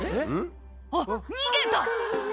「あっ逃げた！」